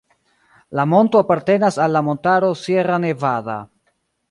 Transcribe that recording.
La monto apartenas al la montaro Sierra Nevada.